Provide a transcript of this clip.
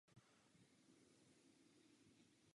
Tento „výkon“ udělal jeho obraz slavným.